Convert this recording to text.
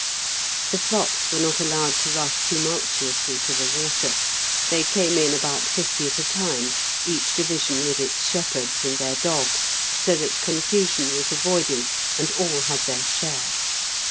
The flocks were not allowed to rush tumultuously to the water; they came in about fifty at a time, each division with its shepherds and their dogs, so that confusion was avoided and all had their share.